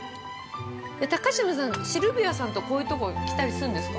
◆高嶋さん、シルビアさんとこういうとこ来たりするんですか。